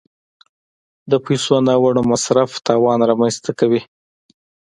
د پیسو ناوړه مصرف تاوان رامنځته کوي.